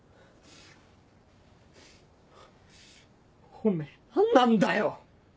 おめぇ何なんだよ！